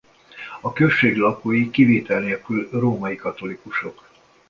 A község lakói kivétel nélkül római katolikusok.